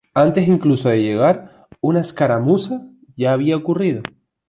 Antes incluso de llegar, una escaramuza ya había ocurrido.